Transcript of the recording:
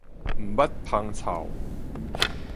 毋捌芳臭